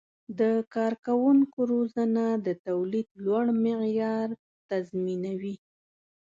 د کارکوونکو روزنه د تولید لوړ معیار تضمینوي.